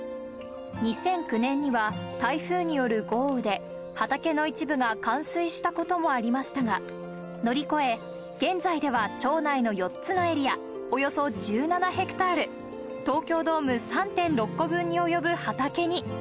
２００９年には、台風による豪雨で畑の一部が冠水したこともありましたが、乗り越え、現在では町内の４つのエリア、およそ１７ヘクタール、東京ドーム３．６個分に及ぶ畑に。